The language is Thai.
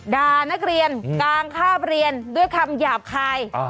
ด่านักเรียนกางคาบเรียนด้วยคำหยาบคาย